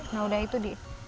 nah udah itu di